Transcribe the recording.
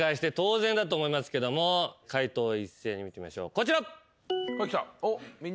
こちら。